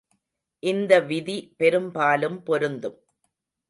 இந்த விதி பெரும்பாலும் பொருந்தும்.